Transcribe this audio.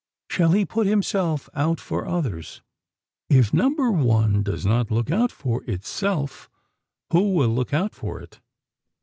Shall he put himself out for others? If number one does not look out for itself, who will look out for it?